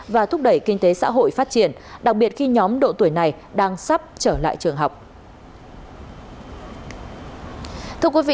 và thúc đẩy kinh tế xã hội phát triển đặc biệt khi nhóm độ tuổi này đang sắp trở lại trường học